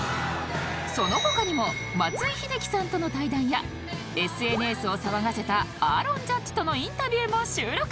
その他にも松井秀喜さんとの対談や ＳＮＳ を騒がせたアーロン・ジャッジとのインタビューも収録！